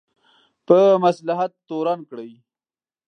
په مصلحت تورن کړي.